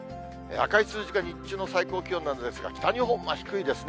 赤い数字が日中の最高気温なんですが、北日本は低いですね。